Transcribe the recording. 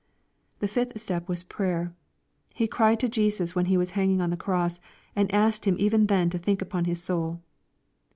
The fifth step was prayer. He cried to Jesus when he was hanging on the cross, and asked Him even then to think upon his soul.